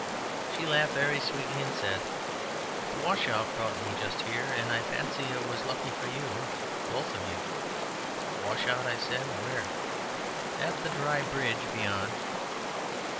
She laughed very sweetly, and said: "The washout brought me just here, and I fancy it was lucky for you both of you." "Washout?" said I. "Where?" "At the dry bridge beyond."